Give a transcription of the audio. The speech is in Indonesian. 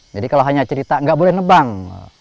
jadi kalau hanya cerita nggak boleh nebang